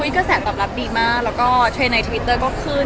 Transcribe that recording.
กระแสดีมากแล้วก็เทรดในทวิตเตอร์ก็ขึ้น